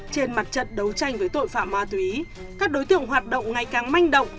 trên mặt trận đấu tranh với tội phạm ma túy các đối tượng hoạt động ngày càng manh động